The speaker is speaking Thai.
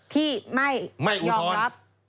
ที่ไม่ยอมรับ